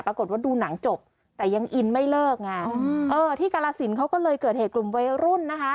ปรากฏว่าดูหนังจบแต่ยังอินไม่เลิกไงเออที่กาลสินเขาก็เลยเกิดเหตุกลุ่มวัยรุ่นนะคะ